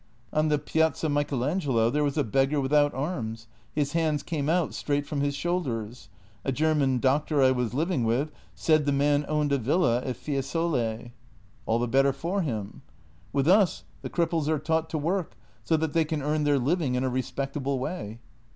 " On the Piazza Michelangelo there was a beggar without arms; his hands came out straight from the shoulders. A German doctor I was living with said the man owned a villa at Fiesole." " All the better for him !"" With us the cripples are taught to work so that they can earn their living in a respectable way."